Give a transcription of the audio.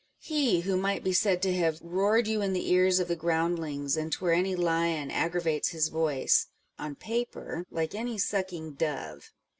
He who might be said to have " roared you in the ears of the groundlings an 'twere any lion, aggravates his voice " on paper, " like any sucking dove."